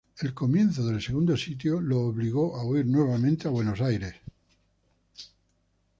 El comienzo del segundo sitio lo obligó a huir nuevamente a Buenos Aires.